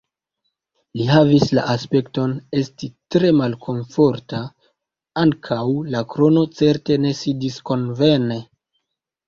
Li havis la aspekton esti tre malkomforta; ankaŭ la krono certe ne sidis konvene.